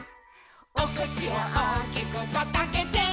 「おくちをおおきくパッとあけて」